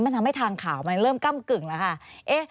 มันทำให้ทางข่าวมันเริ่มก้ำกึ่งแล้วค่ะ